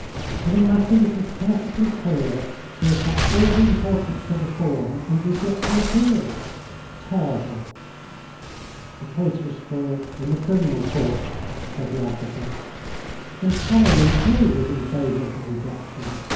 "In a matter which is perfectly clear they attach all the importance to the form and reject the appeal. Terrible!" "The case was spoiled in the Criminal Court," said the advocate. "And Selenin, too, was in favour of the rejection.